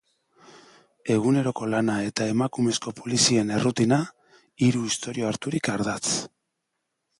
Eguneroko lana eta emakumezko polizien errutina, hiru istorio harturik ardatz.